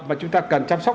mà chúng ta cần chăm sóc